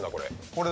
これ。